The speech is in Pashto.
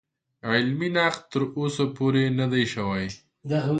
علمي نقد تر اوسه پورې نه دی شوی.